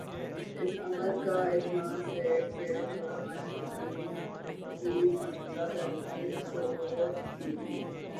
اس امت کا اجماع ہے کہ قرآن مجید کی موجودہ ترتیب توقیفی